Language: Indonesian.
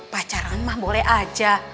pacaran mah boleh aja